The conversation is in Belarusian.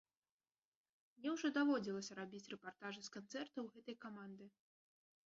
Мне ўжо даводзілася рабіць рэпартажы з канцэртаў гэтай каманды.